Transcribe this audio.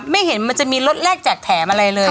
เห็นมันจะมีรถแรกแจกแถมอะไรเลย